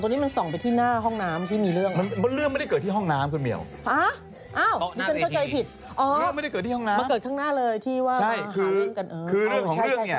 แต่พอถึงวันเกิดเหตุปุ๊บนี้